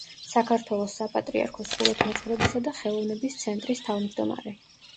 საქართველოს საპატრიარქოს ხუროთმოძღვრებისა და ხელოვნების ცენტრის თავმჯდომარე.